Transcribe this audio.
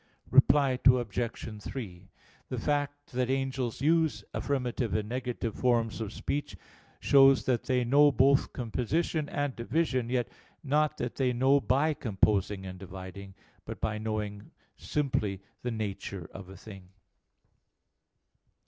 Reply Obj. 3: The fact that angels use affirmative and negative forms of speech, shows that they know both composition and division: yet not that they know by composing and dividing, but by knowing simply the nature of a thing.